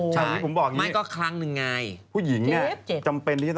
ใช่หมายความนี้ผมบอกนี้